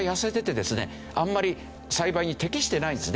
あんまり栽培に適してないんですね。